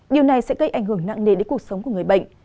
điều này sẽ gây ảnh hưởng nặng nề đến cuộc sống của người bệnh